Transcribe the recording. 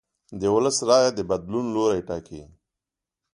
د ولس رایه د بدلون لوری ټاکي